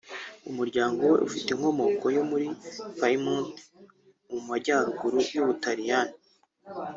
umuryango we ufite inkomoko yo muri Piemont mu majyaruguru y’u Butaliyani